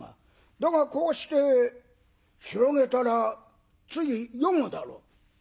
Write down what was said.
だがこうして広げたらつい読むだろう」。